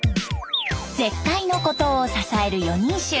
絶海の孤島を支える四人衆。